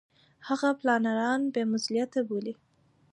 هغه پلانران بې مسولیته بولي.